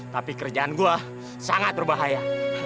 tapi kerjaan gue sangat berbahaya